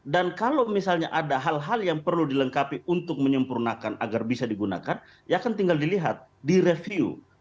dan kalau misalnya ada hal hal yang perlu dilengkapi untuk menyempurnakan agar bisa digunakan ya akan tinggal dilihat di review